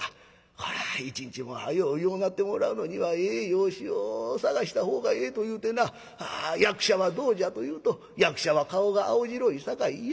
こら一日も早う良うなってもらうのにはええ養子を探したほうがええというてな役者はどうじゃと言うと『役者は顔が青白いさかい嫌』。